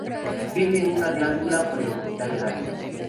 Tienen una glándula pre-orbital grande.